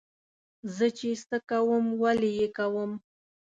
زه چې څه کوم ولې یې کوم.